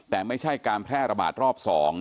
แต่ไม่ใช่การแพร่ระบาดรอบ๒